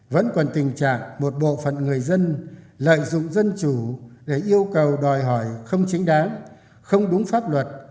vẫn còn tình trạng một bộ phận người dân lợi dụng dân chủ để yêu cầu đòi hỏi không chính đáng không đúng pháp luật